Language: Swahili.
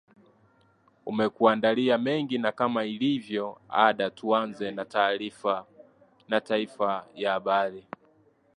umekuandalia mengi na kama ilivyo ada tuanze na taifa ya habari